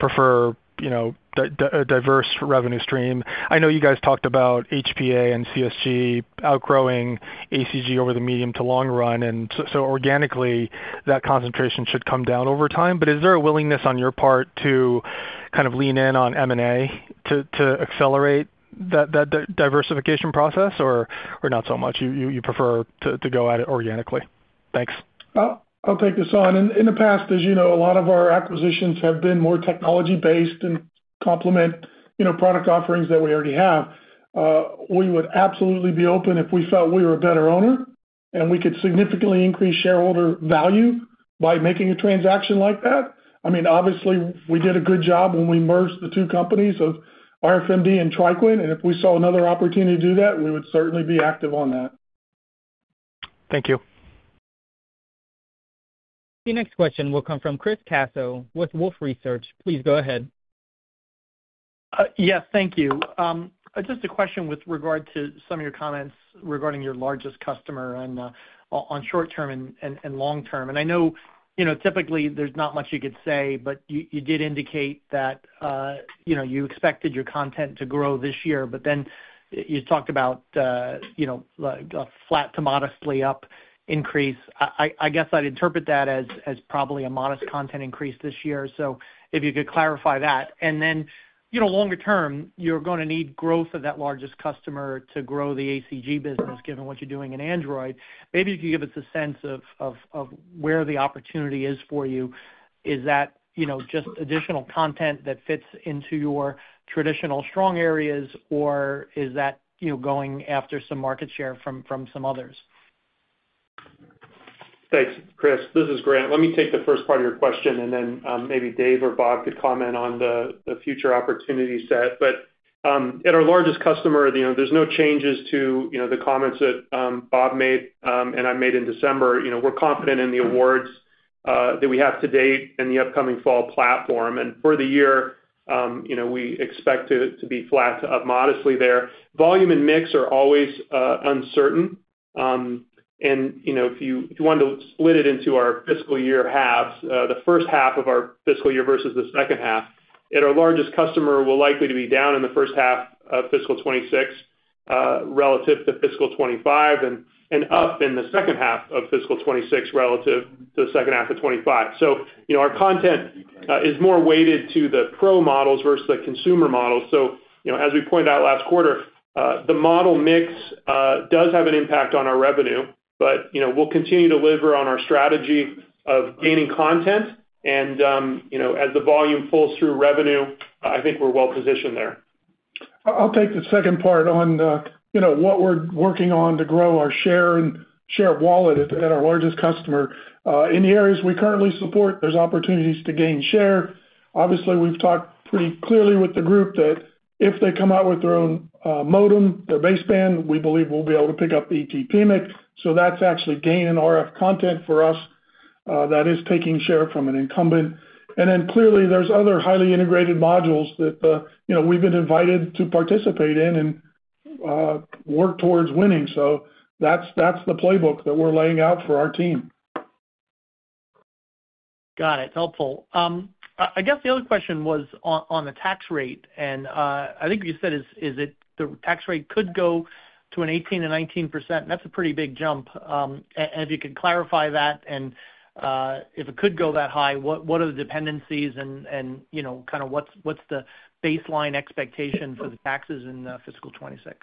prefer a diverse revenue stream. I know you guys talked about HBA and CSG outgrowing ACG over the medium to long run. And so organically, that concentration should come down over time. But is there a willingness on your part to kind of lean in on M&A to accelerate that diversification process? Or not so much? You prefer to go at it organically? Thanks. I'll take this on. In the past, as you know, a lot of our acquisitions have been more technology-based and complement product offerings that we already have. We would absolutely be open if we felt we were a better owner and we could significantly increase shareholder value by making a transaction like that. I mean, obviously, we did a good job when we merged the two companies of RFMD and TriQuint. And if we saw another opportunity to do that, we would certainly be active on that. Thank you. The next question will come from Chris Caso with Wolfe Research. Please go ahead. Yes. Thank you. Just a question with regard to some of your comments regarding your largest customer on short-term and long-term. And I know typically there's not much you could say, but you did indicate that you expected your content to grow this year. But then you talked about a flat to modestly up increase. I guess I'd interpret that as probably a modest content increase this year. So if you could clarify that. And then longer term, you're going to need growth of that largest customer to grow the ACG business, given what you're doing in Android. Maybe you could give us a sense of where the opportunity is for you. Is that just additional content that fits into your traditional strong areas, or is that going after some market share from some others? Thanks, Chris. This is Grant. Let me take the first part of your question, and then maybe Dave or Bob could comment on the future opportunity set. But at our largest customer, there's no changes to the comments that Bob made and I made in December. We're confident in the awards that we have to date and the upcoming fall platform, and for the year, we expect to be flat to modestly there. Volume and mix are always uncertain, and if you wanted to split it into our fiscal year halves, the first half of our fiscal year versus the second half, at our largest customer will likely to be down in the first half of fiscal 2026 relative to fiscal 2025 and up in the second half of fiscal 2026 relative to the second half of 2025, so our content is more weighted to the pro models versus the consumer models, so as we pointed out last quarter, the model mix does have an impact on our revenue, but we'll continue to deliver on our strategy of gaining content, and as the volume falls through revenue, I think we're well positioned there. I'll take the second part on what we're working on to grow our share and share wallet at our largest customer. In the areas we currently support, there's opportunities to gain share. Obviously, we've talked pretty clearly with the group that if they come out with their own modem, their baseband, we believe we'll be able to pick up ET PMIC. So that's actually gaining RF content for us that is taking share from an incumbent. And then clearly, there's other highly integrated modules that we've been invited to participate in and work towards winning. So that's the playbook that we're laying out for our team. Got it. Helpful. I guess the other question was on the tax rate. And I think you said the tax rate could go to an 18% to 19%. And that's a pretty big jump. And if you could clarify that, and if it could go that high, what are the dependencies and kind of what's the baseline expectation for the taxes in fiscal 2026?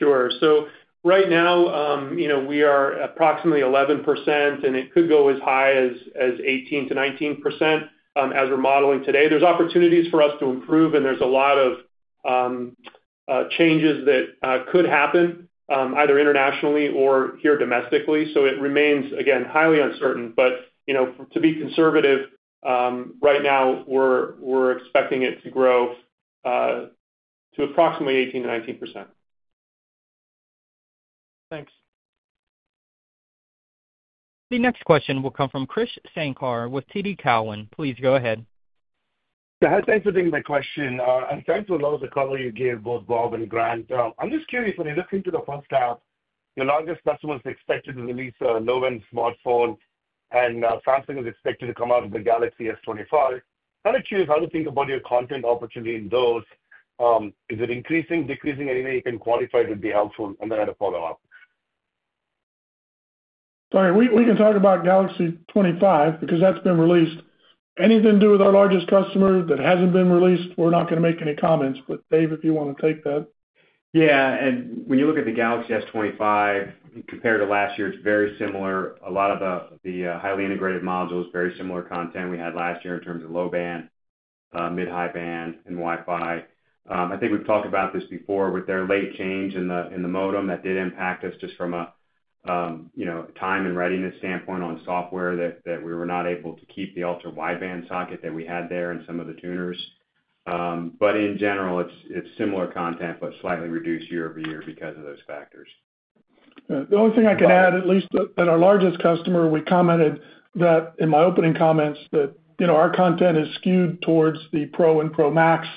Sure. So right now, we are approximately 11%, and it could go as high as 18% to 19% as we're modeling today. There's opportunities for us to improve, and there's a lot of changes that could happen either internationally or here domestically. So it remains, again, highly uncertain. But to be conservative, right now, we're expecting it to grow to approximately 18% to 19%. Thanks. The next question will come from Krish Sankar with TD Cowen. Please go ahead. Thanks for taking my question. Thanks for the color you gave, both Bob and Grant. I'm just curious. When you look into the funds tab, your largest customer is expected to release a low-end smartphone, and Samsung is expected to come out with the Galaxy S25. Kind of curious how to think about your content opportunity in those. Is it increasing, decreasing, anything you can qualify to be helpful? And then I had a follow-up. Sorry. We can talk about Galaxy S25 because that's been released. Anything to do with our largest customer that hasn't been released, we're not going to make any comments. But Dave, if you want to take that. Yeah. And when you look at the Galaxy S25, compared to last year, it's very similar. A lot of the highly integrated modules, very similar content we had last year in terms of low band, mid-high band, and Wi-Fi. I think we've talked about this before with their late change in the modem. That did impact us just from a time and readiness standpoint on software that we were not able to keep the ultra-wideband socket that we had there and some of the tuners. But in general, it's similar content, but slightly reduced year over year because of those factors. The only thing I can add, at least at our largest customer, we commented that in my opening comments that our content is skewed towards the Pro and Pro Max,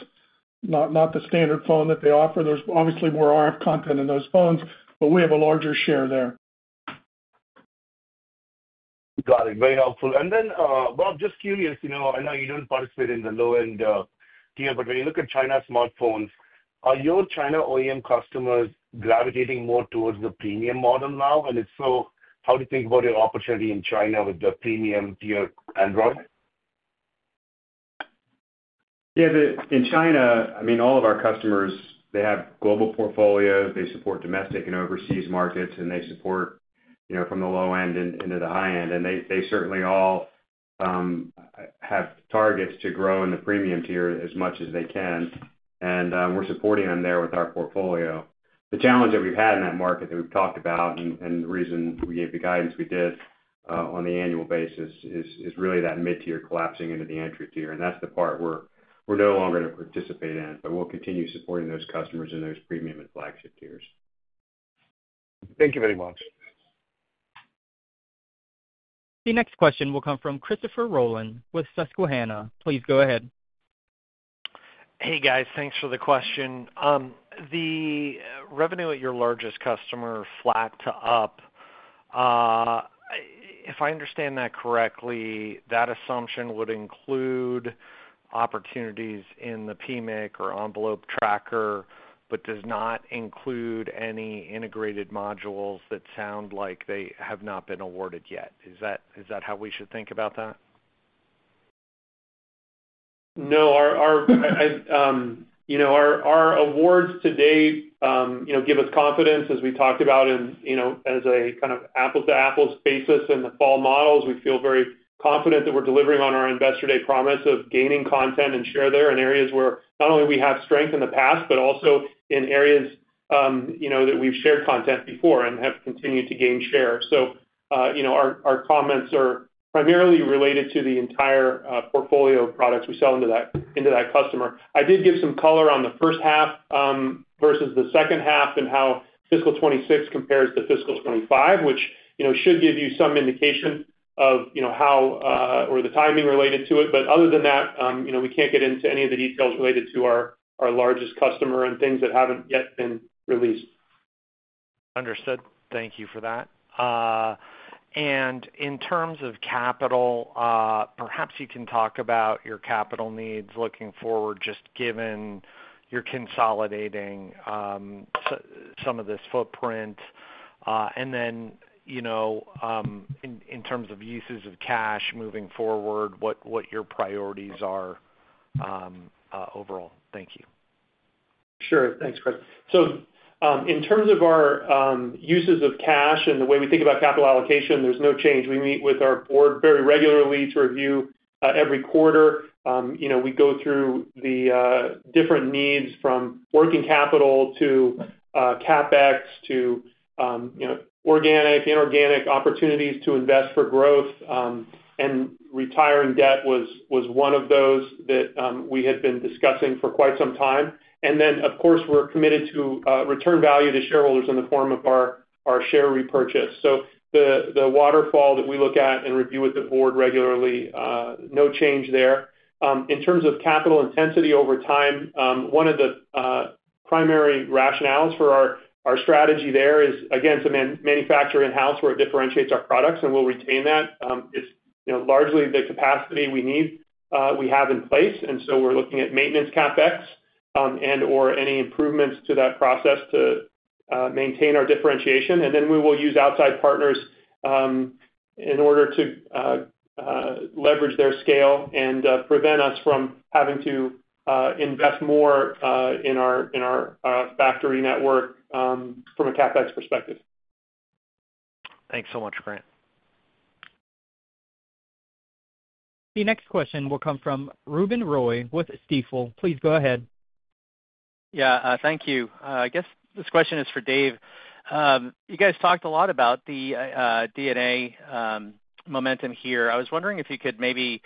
not the standard phone that they offer. There's obviously more RF content in those phones, but we have a larger share there. Got it. Very helpful. And then Bob, just curious, I know you don't participate in the low-end tier, but when you look at China smartphones, are your China OEM customers gravitating more towards the premium model now? And if so, how do you think about your opportunity in China with the premium-tier Android? Yeah. In China, I mean, all of our customers, they have global portfolios. They support domestic and overseas markets, and they support from the low end into the high end. And they certainly all have targets to grow in the premium tier as much as they can. And we're supporting them there with our portfolio. The challenge that we've had in that market that we've talked about and the reason we gave the guidance we did on the annual basis is really that mid-tier collapsing into the entry tier. And that's the part we're no longer going to participate in. But we'll continue supporting those customers in those premium and flagship tiers. Thank you very much. The next question will come from Christopher Rolland with Susquehanna. Please go ahead. Hey, guys. Thanks for the question. The revenue at your largest customer flat to up. If I understand that correctly, that assumption would include opportunities in the PMIC or envelope tracker, but does not include any integrated modules that sound like they have not been awarded yet. Is that how we should think about that? No. Our awards to date give us confidence, as we talked about, and as a kind of apples-to-apples basis in the flagship models, we feel very confident that we're delivering on our Investor Day promise of gaining content and share there in areas where not only we have strength in the past, but also in areas that we've shared content before and have continued to gain share. So our comments are primarily related to the entire portfolio of products we sell into that customer. I did give some color on the first half versus the second half and how fiscal 2026 compares to fiscal 2025, which should give you some indication of how or the timing related to it. But other than that, we can't get into any of the details related to our largest customer and things that haven't yet been released. Understood. Thank you for that. And in terms of capital, perhaps you can talk about your capital needs looking forward, just given you're consolidating some of this footprint. And then in terms of uses of cash moving forward, what your priorities are overall? Thank you. Sure. Thanks, Chris. So in terms of our uses of cash and the way we think about capital allocation, there's no change. We meet with our board very regularly to review every quarter. We go through the different needs from working capital to CapEx to organic, inorganic opportunities to invest for growth, and retiring debt was one of those that we had been discussing for quite some time, and then, of course, we're committed to return value to shareholders in the form of our share repurchase, so the waterfall that we look at and review with the board regularly, no change there. In terms of capital intensity over time, one of the primary rationales for our strategy there is, again, to manufacture in-house where it differentiates our products, and we'll retain that. It's largely the capacity we have in place, and so we're looking at maintenance CapEx and/or any improvements to that process to maintain our differentiation. And then we will use outside partners in order to leverage their scale and prevent us from having to invest more in our factory network from a CapEx perspective. Thanks so much, Grant. The next question will come from Ruben Roy with Stifel. Please go ahead. Yeah. Thank you. I guess this question is for Dave. You guys talked a lot about the HPA momentum here. I was wondering if you could maybe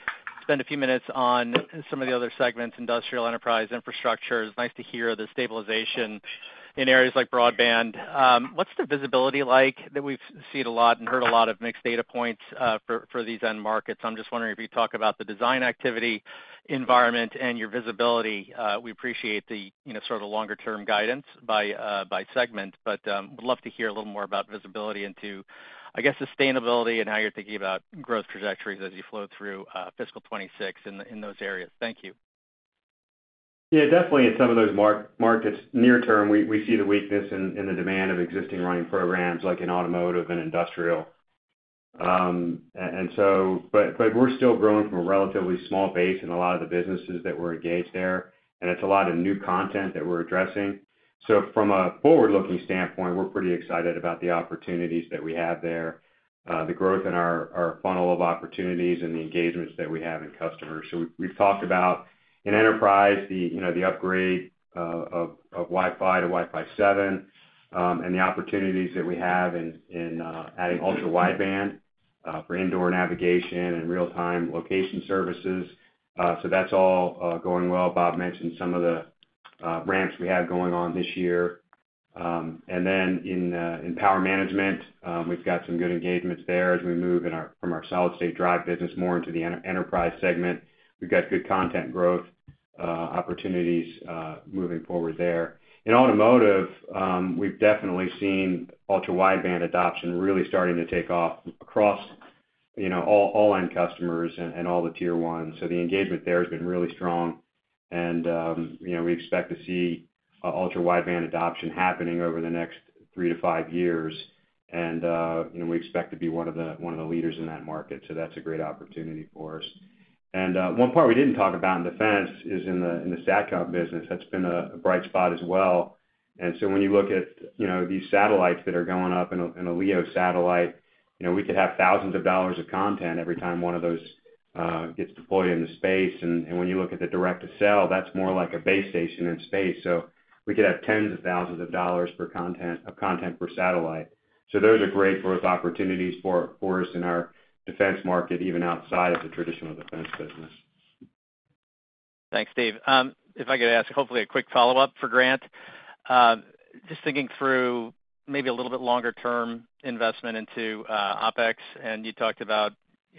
spend a few minutes on some of the other segments, industrial enterprise, infrastructure. It's nice to hear the stabilization in areas like broadband. What's the visibility like that we've seen a lot and heard a lot of mixed data points for these end markets? I'm just wondering if you'd talk about the design activity environment and your visibility. We appreciate the sort of longer-term guidance by segment, but would love to hear a little more about visibility into, I guess, sustainability and how you're thinking about growth trajectories as you flow through fiscal 2026 in those areas. Thank you. Yeah. Definitely in some of those markets, near-term, we see the weakness in the demand of existing running programs like in automotive and industrial. But we're still growing from a relatively small base in a lot of the businesses that we're engaged there. And it's a lot of new content that we're addressing. So from a forward-looking standpoint, we're pretty excited about the opportunities that we have there, the growth in our funnel of opportunities, and the engagements that we have in customers. So we've talked about in enterprise, the upgrade of Wi-Fi to Wi-Fi 7 and the opportunities that we have in adding ultra-wideband for indoor navigation and real-time location services, so that's all going well. Bob mentioned some of the ramps we have going on this year, and then in power management, we've got some good engagements there as we move from our solid-state drive business more into the enterprise segment. We've got good content growth opportunities moving forward there. In automotive, we've definitely seen ultra-wideband adoption really starting to take off across all end customers and all the tier ones, so the engagement there has been really strong, and we expect to see ultra-wideband adoption happening over the next three to five years, and we expect to be one of the leaders in that market, so that's a great opportunity for us. And one part we didn't talk about in defense is in the satcom business. That's been a bright spot as well. And so when you look at these satellites that are going up in a LEO satellite, we could have thousands of dollars of content every time one of those gets deployed in the space. And when you look at the direct-to-cell, that's more like a base station in space. So we could have tens of thousands of dollars of content per satellite. So those are great growth opportunities for us in our defense market, even outside of the traditional defense business. Thanks, Dave. If I could ask, hopefully, a quick follow-up for Grant. Just thinking through maybe a little bit longer-term investment into OPEX. And you talked about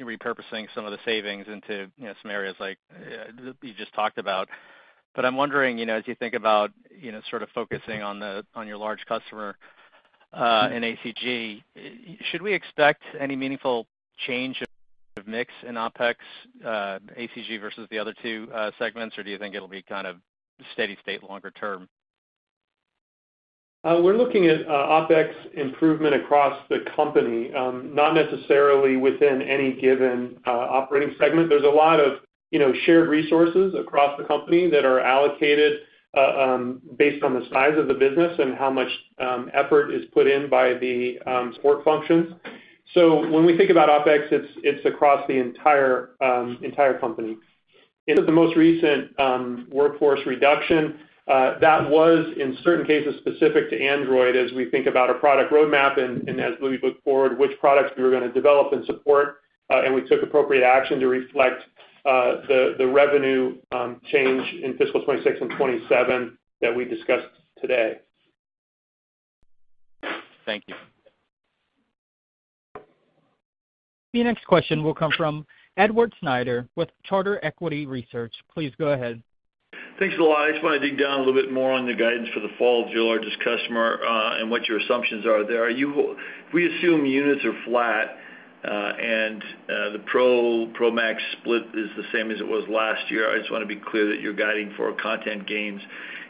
repurposing some of the savings into some areas like you just talked about. But I'm wondering, as you think about sort of focusing on your large customer in ACG, should we expect any meaningful change of mix in OPEX, ACG versus the other two segments, or do you think it'll be kind of steady state longer-term? We're looking at OPEX improvement across the company, not necessarily within any given operating segment. There's a lot of shared resources across the company that are allocated based on the size of the business and how much effort is put in by the support functions. So when we think about OPEX, it's across the entire company. In the most recent workforce reduction, that was, in certain cases, specific to Android as we think about a product roadmap and as we look forward which products we were going to develop and support. And we took appropriate action to reflect the revenue change in fiscal 2026 and 2027 that we discussed today. Thank you. The next question will come from Edward Snyder with Charter Equity Research. Please go ahead. Thanks a lot. I just want to dig down a little bit more on your guidance for the fall of your largest customer and what your assumptions are there. If we assume units are flat and the Pro, Pro Max split is the same as it was last year, I just want to be clear that you're guiding for content gains.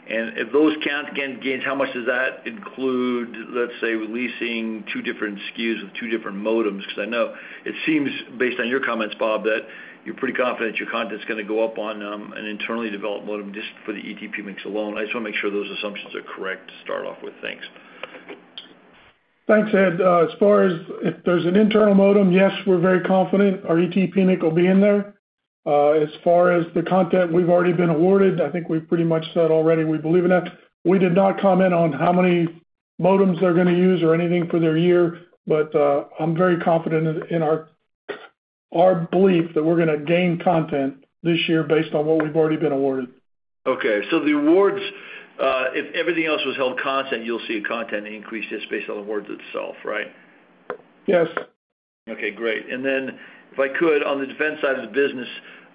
And if those content gains, how much does that include, let's say, releasing two different SKUs with two different modems? Because I know it seems, based on your comments, Bob, that you're pretty confident your content's going to go up on an internally developed modem just for the ET PMIC mix alone. I just want to make sure those assumptions are correct to start off with. Thanks. Thanks, Ed. As far as if there's an internal modem, yes, we're very confident our ET PMIC will be in there. As far as the content, we've already been awarded. I think we've pretty much said already we believe in that. We did not comment on how many modems they're going to use or anything for their year. But I'm very confident in our belief that we're going to gain content this year based on what we've already been awarded. Okay. So the awards, if everything else was held constant, you'll see a content increase just based on the awards itself, right? Yes. Okay. Great. Then if I could, on the defense side of the business,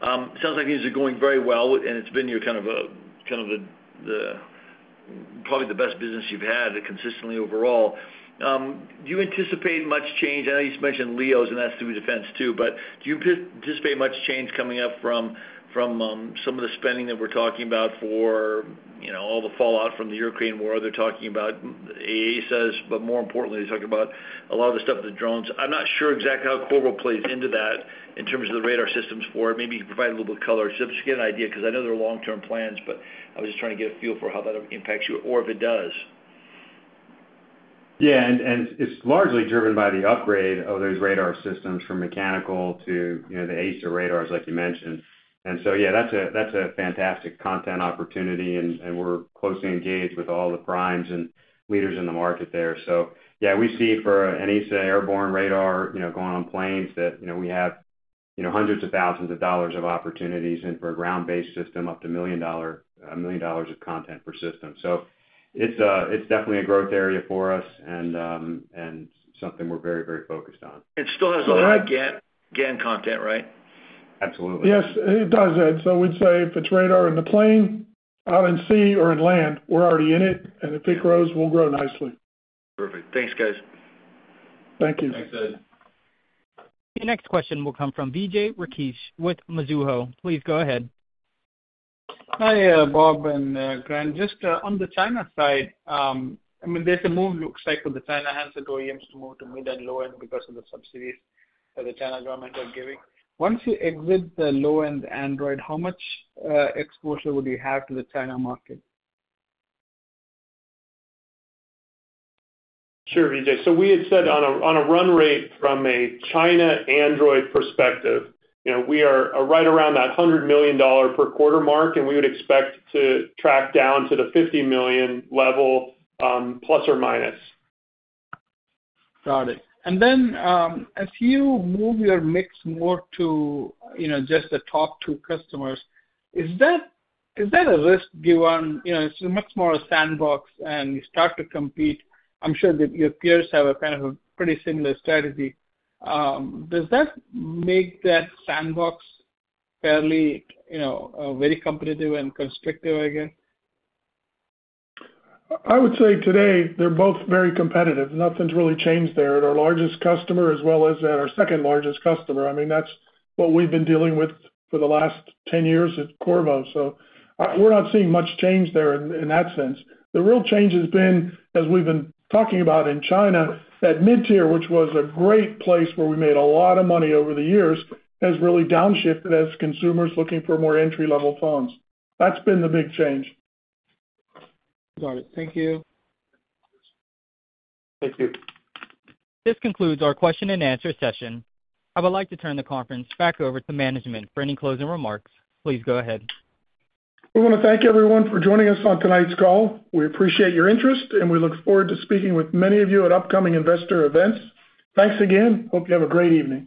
it sounds like things are going very well, and it's been kind of probably the best business you've had consistently overall. Do you anticipate much change? I know you mentioned LEOs, and that's through defense too. But do you anticipate much change coming up from some of the spending that we're talking about for all the fallout from the Ukraine war? They're talking about AESA, but more importantly, they're talking about a lot of the stuff with the drones. I'm not sure exactly how Qorvo plays into that in terms of the radar systems for it. Maybe you can provide a little bit of color. Just to get an idea, because I know there are long-term plans, but I was just trying to get a feel for how that impacts you or if it does. Yeah. And it's largely driven by the upgrade of those radar systems from mechanical to the AESA radars, like you mentioned. And so, yeah, that's a fantastic content opportunity. And we're closely engaged with all the primes and leaders in the market there. So, yeah, we see for an AESA airborne radar going on planes that we have hundreds of thousands of dollars of opportunities and for a ground-based system, up to a million dollars of content per system. So it's definitely a growth area for us and something we're very, very focused on. It still has a lot of GaN content, right? Absolutely. Yes, it does, Ed. So we'd say if it's radar in the plane, out at sea or on land, we're already in it. And if it grows, we'll grow nicely. Perfect. Thanks, guys. Thank you. Thanks, Ed. The next question will come from Vijay Rakesh with Mizuho. Please go ahead. Hi, Bob and Grant. Just on the China side, I mean, there's a move, it looks like, with the Chinese handset OEMs to move to mid and low-end because of the subsidies that the China government is giving. Once you exit the low-end Android, how much exposure would you have to the China market? Sure, Vijay. So we had said on a run rate from a China Android perspective, we are right around that $100 million per quarter mark, and we would expect to track down to the $50 million level, plus or minus. Got it. And then as you move your mix more to just the top two customers, is that a risk given it's much more a sandbox and you start to compete? I'm sure that your peers have a kind of a pretty similar strategy. Does that make that sandbox fairly very competitive and constrictive, I guess? I would say today they're both very competitive. Nothing's really changed there. At our largest customer as well as at our second largest customer, I mean, that's what we've been dealing with for the last 10 years at Qorvo. So we're not seeing much change there in that sense. The real change has been, as we've been talking about in China, that mid-tier, which was a great place where we made a lot of money over the years, has really downshifted as consumers looking for more entry-level phones. That's been the big change. Got it. Thank you. Thank you. This concludes our question-and-answer session. I would like to turn the conference back over to management for any closing remarks. Please go ahead. We want to thank everyone for joining us on tonight's call. We appreciate your interest, and we look forward to speaking with many of you at upcoming investor events. Thanks again. Hope you have a great evening.